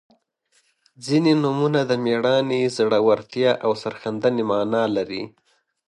• ځینې نومونه د میړانې، زړورتیا او سرښندنې معنا لري.